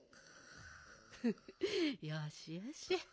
フフよしよし。